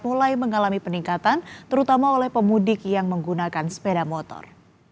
mulai mengalami peningkatan terutama oleh pemudik yang menggunakan sepeda motor